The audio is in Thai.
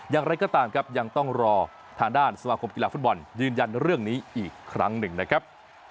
อย่างไรก็ตามครับยังต้องรอทางด้านสมาคมกีฬาฟุตบอลยืนยันเรื่องนี้อีกครั้งหนึ่งนะครับ